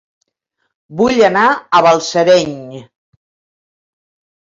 Vull anar a Balsareny